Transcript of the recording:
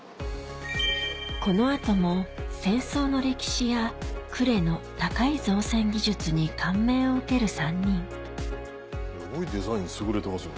この後も戦争の歴史や呉の高い造船技術に感銘を受ける３人すごいデザイン優れてますよ